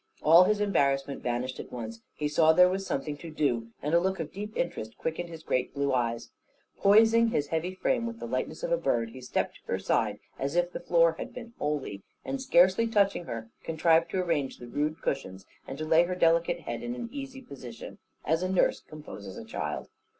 All his embarrassment vanished at once; he saw there was something to do; and a look of deep interest quickened his great blue eyes. Poising his heavy frame with the lightness of a bird, he stepped to her side as if the floor had been holy, and, scarcely touching her, contrived to arrange the rude cushions, and to lay her delicate head in an easy position, as a nurse composes a child.